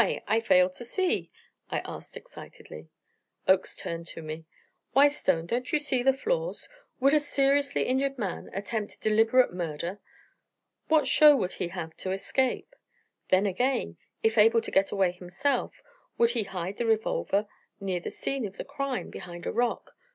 I fail to see!" I asked excitedly. Oakes turned to me: "Why, Stone, don't you see the flaws? Would a seriously injured man attempt deliberate murder? What show would he have to escape? Then, again, if able to get away himself, would he hide the revolver near the scene of the crime, behind a rock?